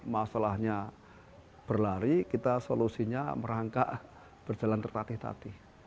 masalahnya berlari kita solusinya merangkak berjalan tertatih tatih